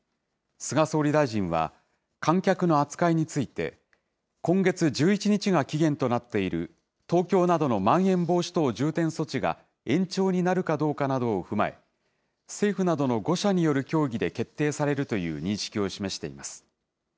菅総理大臣は、観客の扱いについて、今月１１日が期限となっている東京などのまん延防止等重点措置が延長になるかどうかなどを踏まえ、政府などの５者による協議で決定されるという認識を示しています。